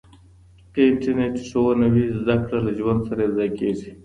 که انټرنېټي ښوونه وي، زده کړه له ژوند سره یوځای کېږي.